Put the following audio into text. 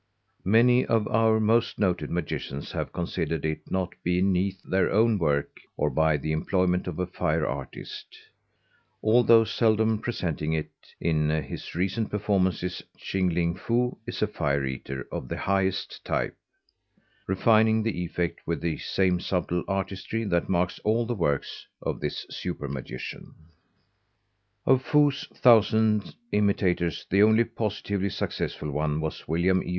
Many of our most noted magicians have considered it not beneath their dignity to introduce fire eating into their programmes, either in their own work or by the employment of a "Fire Artist." Although seldom presenting it in his recent performances, Ching Ling Foo is a fire eater of the highest type, refining the effect with the same subtle artistry that marks all the work of this super magician. Of Foo's thousand imitators the only positively successful one was William E.